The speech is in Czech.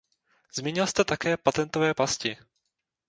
Zmínil jste také patentové pasti.